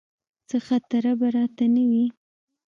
څه خطره به راته نه وي.